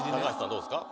どうですか？